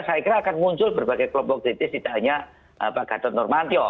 saya kira akan muncul berbagai kelompok kritis tidak hanya pak gatot nurmantio